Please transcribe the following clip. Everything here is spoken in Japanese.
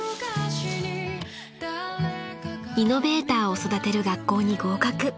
［イノベーターを育てる学校に合格］